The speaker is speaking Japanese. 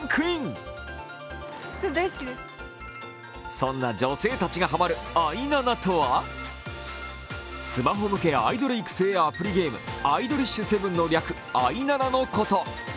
そんな女性たちがハマる、アイナナとは、スマホ向けアイドル育成アプリ、「アイドリッシュセブン」、「アイナナ」のこと。